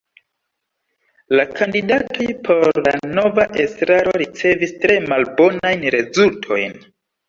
La kandidatoj por la nova estraro ricevis tre malbonajn rezultojn.